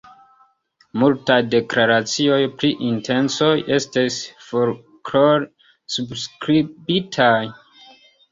Multaj deklaracioj pri intencoj estis folklore subskribitaj.